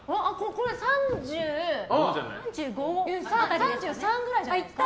これ３３ぐらいじゃないですか。